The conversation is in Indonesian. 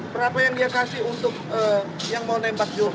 berapa yang dia kasih untuk yang mau nembak jo